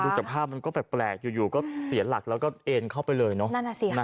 จากภาพมันก็แปลกอยู่ก็เสียหลักแล้วก็เอ็นเข้าไปเลยเนอะ